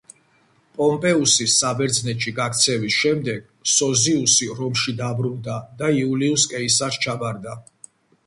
პომპეუსის საბერძნეთში გაქცევის შემდეგ, სოზიუსი რომში დაბრუნდა და იულიუს კეისარს ჩაბარდა.